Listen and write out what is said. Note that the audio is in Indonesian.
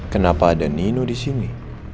kenapa ada nino disini